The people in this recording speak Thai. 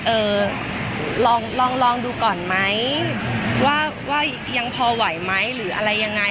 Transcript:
เอ่อลองลองดูก่อนไหมว่าว่ายังพอไหวไหมหรืออะไรยังไง